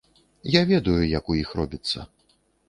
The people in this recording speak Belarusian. Я ведаю, як у іх робіцца.